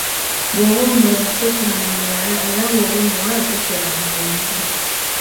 Bw'oba omulenzi tosula namuwala era bw'oba omuwala tosula namulenzi.